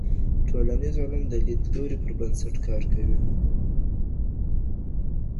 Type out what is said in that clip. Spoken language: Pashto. ټولنيز علوم د ليدلوري پر بنسټ کار کوي.